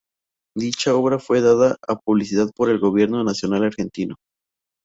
Dicha obra fue dada a publicidad por el gobierno Nacional Argentino.